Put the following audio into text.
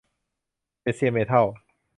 เอเซีย เมทัล